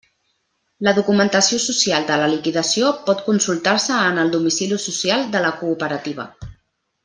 La documentació social de la liquidació pot consultar-se en el domicili social de la cooperativa.